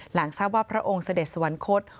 หลังทราบว่าพระองค์เสด็จสวรรคต